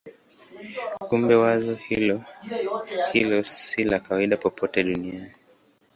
Kumbe wazo hilo si la kawaida popote duniani.